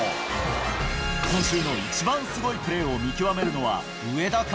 今週のいちばんスゴいプレーを見極めるのは、上田か？